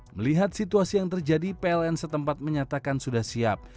melihat situasi yang terjadi pln setempat menyatakan sudah siap